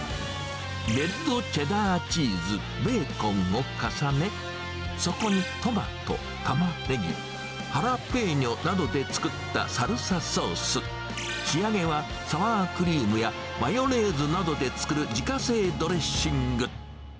レッドチェダーチーズ、ベーコンを重ね、そこにトマト、タマネギ、ハラペーニョなどで作ったサルサソース、仕上げは、サワークリームやマヨネーズなどで作る自家製ドレッシング。